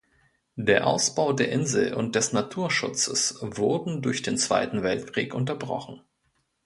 Der Ausbau der Insel und des Naturschutzes wurden durch den Zweiten Weltkrieg unterbrochen.